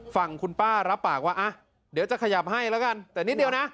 ฝั่งคุณป้ารับปากว่าเดี๋ยวจะขยับให้แล้วกันแต่นิดเดียวนะ